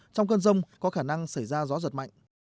trong cơn rông có khả năng xảy ra gió giật mạnh